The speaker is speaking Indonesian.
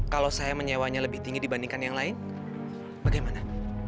kalau saya menyewanya lebih tinggi dibandingkan yang lain bagaimana